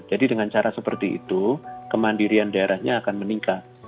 jadi dengan cara seperti itu kemandirian daerahnya akan meningkat